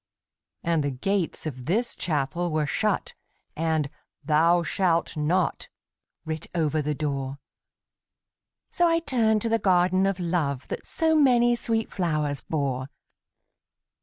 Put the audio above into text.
And the gates of this Chapel were shut, And 'Thou shalt not' writ over the door; So I turned to the Garden of Love That so many sweet flowers bore.